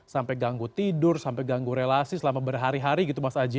sampai ganggu tidur sampai ganggu relasi selama berhari hari gitu mas aji